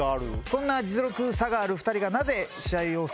そんな実力差がある２人が。